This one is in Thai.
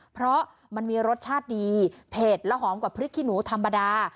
เพราะมันมีรสชาติดีเผ็ดและหอมกว่าพริกขี้หนูธรรมดา